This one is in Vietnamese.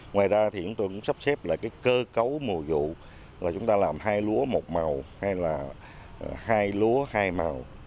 ngoài ra thì chúng tôi cũng sắp xếp lại cơ cấu mùa vụ là chúng ta làm hai lúa một màu hay là hai lúa hai màu